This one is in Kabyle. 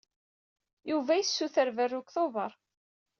Yuba yessuter berru deg Tubeṛ.